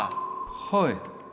はい。